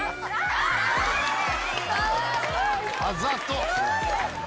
・あざとっ！